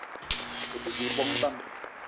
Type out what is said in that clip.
O te dje bongo bang ?